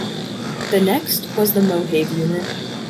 The next was the Mohave unit.